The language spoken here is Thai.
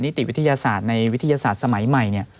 ติวิทยาศาสตร์ในวิทยาศาสตร์สมัยใหม่